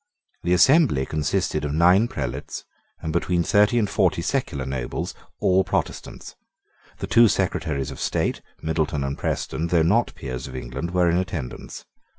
The assembly consisted of nine prelates and between thirty and forty secular nobles, all Protestants. The two Secretaries of State, Middleton and Preston, though not peers of England, were in attendance.